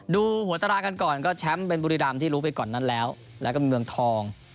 ดูหัวตารากันก่อนก็แชมป์เป็นบุรีรำที่รู้ไปก่อนนั้นแล้วแล้วก็มีเมืองทอง